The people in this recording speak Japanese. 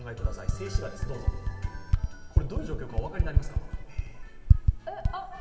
静止画です、どういう状況か、お分かりになりますか？